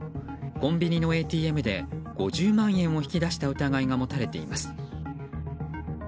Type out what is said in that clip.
コンビニのＡＴＭで５０万円を引き出した疑いが持たれています。